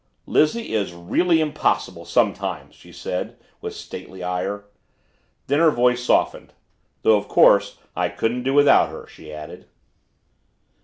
"Lizzie is really impossible sometimes!" she said with stately ire. Then her voice softened. "Though of course I couldn't do without her," she added.